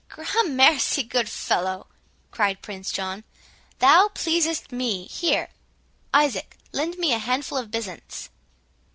"Gramercy! good fellow," cried Prince John, "thou pleasest me—Here, Isaac, lend me a handful of byzants."